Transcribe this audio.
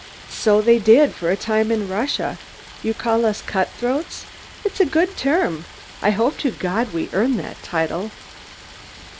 So they did for a time in Russia. You call us 'cutthroats.' It's a good term. I hope to God we earn that title."